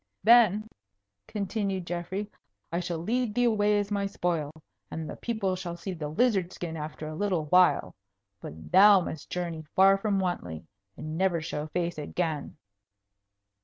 "Then," continued Geoffrey, "I shall lead thee away as my spoil, and the people shall see the lizard skin after a little while. But thou must journey far from Wantley, and never show face again."